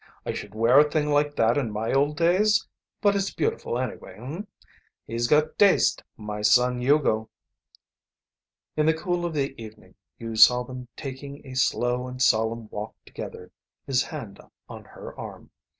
I should wear a thing like that in my old days. But it's beautiful anyway, h'm? He's got taste, my son Hugo." In the cool of the evening you saw them taking a slow and solemn walk together, his hand on her arm.